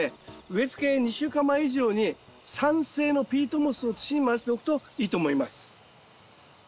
植えつけ２週間前以上に酸性のピートモスを土に混ぜておくといいと思います。